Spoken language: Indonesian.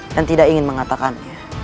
dan tidak ingin mengatakannya